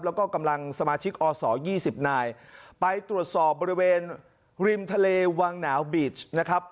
แล้วก็กำลังสมาชิกอศยี่สิบนายไปตรวจสอบบริเวณริมทะเลวังหนาวบีชนะครับ